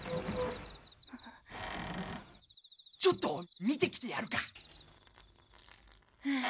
ちょっと見てきてやるか。はあ。